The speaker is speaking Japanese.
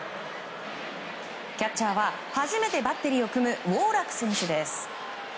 キャッチャーは初めてバッテリーを組むウォーラク選手です。